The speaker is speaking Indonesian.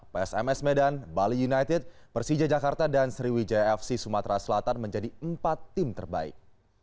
psms medan bali united persija jakarta dan sriwijaya fc sumatera selatan menjadi empat tim terbaik